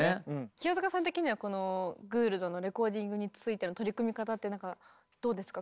清塚さん的にはこのグールドのレコーディングについての取り組み方ってどうですか？